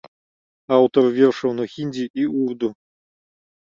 Аўтар вершаў на хіндзі і урду.